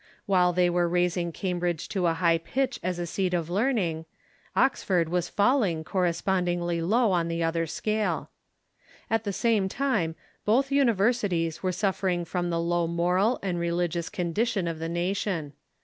While they were raising Cambridge to a high pitch as a seat of learning, Oxford was falling correspondingly low on the other scale. At the same time, both universities were suifering from the low moral and religious condition of the nation.